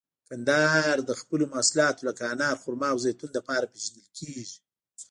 کندهار د خپلو محصولاتو لکه انار، خرما او زیتون لپاره پیژندل کیږي.